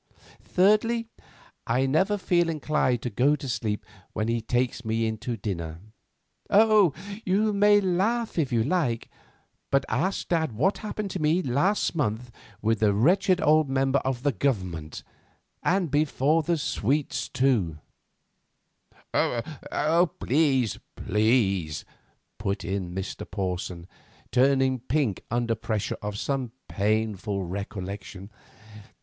Thirdly, I never feel inclined to go to sleep when he takes me in to dinner. Oh! you may laugh if you like, but ask dad what happened to me last month with that wretched old member of the Government, and before the sweets, too!" "Please, please," put in Mr. Porson, turning pink under pressure of some painful recollection.